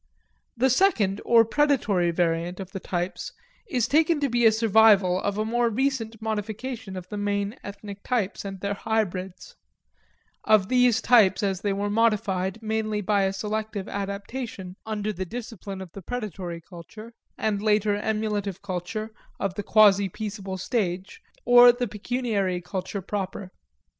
The second or predatory variant of the types is taken to be a survival of a more recent modification of the main ethnic types and their hybrids of these types as they were modified, mainly by a selective adaptation, under the discipline of the predatory culture and the latter emulative culture of the quasi peaceable stage, or the pecuniary culture proper.